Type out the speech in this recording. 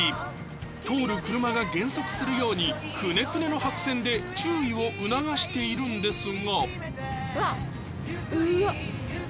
通る車が減速するようにクネクネの白線で注意を促しているんですが、。